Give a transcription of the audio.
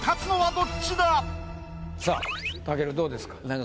どうですか？